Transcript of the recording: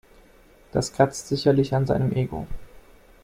Das kratzt sicherlich an seinem Ego.